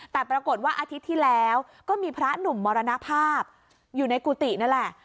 แต่ปรากฏว่าอาทิตย์ที่แล้วก็มีพระหนุ่มมรณภาพอยู่ในกุฏินั่นแหละ